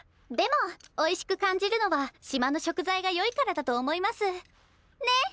でもおいしく感じるのは島の食材が良いからだと思います。ね！